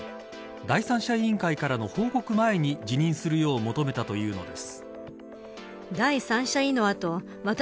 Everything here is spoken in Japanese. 第三者委員会からの報告前に辞任するよう求めたというのです。